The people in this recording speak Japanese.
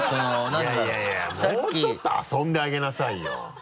いやいやもうちょっと遊んであげなさいよ。